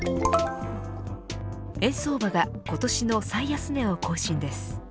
円相場が今年の最安値を更新です。